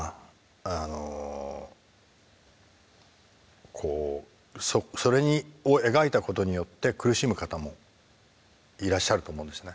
あのこうそれを描いたことによって苦しむ方もいらっしゃると思うんですね。